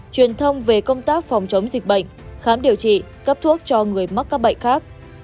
truyền thông về công tác phòng chống dịch bệnh khám điều trị cấp thuốc cho người mắc các bệnh khác